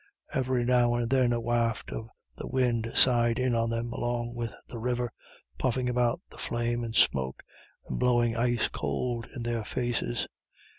Every now and then a waft of the wind sighed in on them along with the river, puffing about the flame and smoke, and blowing ice cold in their faces.